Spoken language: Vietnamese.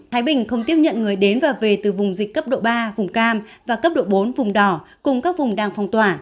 thái bình không tiếp nhận người đến và về từ vùng dịch cấp độ ba vùng cam và cấp độ bốn vùng đỏ cùng các vùng đang phong tỏa